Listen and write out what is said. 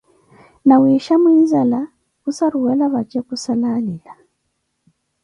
Nawisha mwinzala khussaruwela vatje khussala alila.